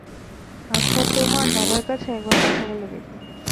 আচ্ছা, তোমার দাদার কাছে একবার কথা বলে দেখব।